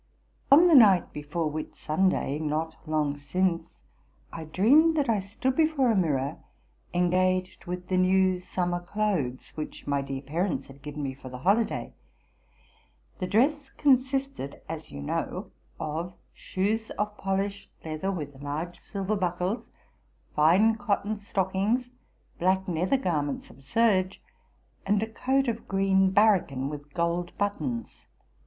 On the night before Whitsunday, not long since, I dreamed that I stood before a mirror engaged with the new summer clothes which my dear parents had given me for the holiday. The dress consisted, as you know, of shoes of polished leather, with large silver buckles, fine cotton stockings, black nether garments of serge, and a coat of green baracan with gold buttons.